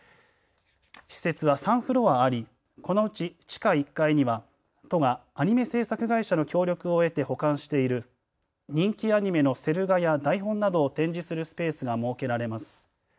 施設は３フロアあり、このうち地下１階には都がアニメ制作会社の協力を得て保管している人気アニメのセル画や台本などを展示するスペースが設けられます。